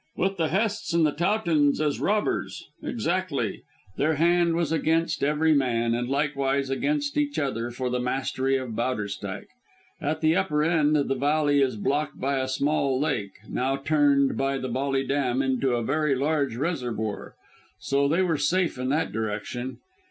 "With the Hests and the Towtons as robbers. Exactly. Their hand was against every man, and likewise against each other for the mastery of Bowderstyke. At the upper end the valley is blocked by a small lake, now turned by the Bolly Dam into a very large reservoir, so they were safe in that direction.